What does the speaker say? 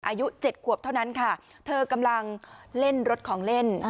อายุ๗ขวบเท่านั้นค่ะเธอกำลังเล่นรถของเล่น